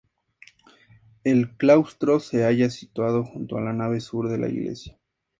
El claustro se halla situado junto a la nave sur de la iglesia.